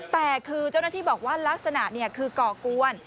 แต่คือเจ้าหน้าที่บอกว่าลักษณะคือก่อกวน